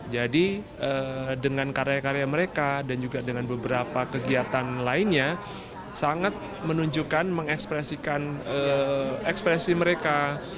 jadi dengan karya karya mereka dan juga dengan beberapa kegiatan lainnya sangat menunjukkan mengekspresikan ekspresi mereka